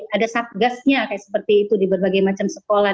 ada sub gasnya seperti itu di berbagai macam sekolah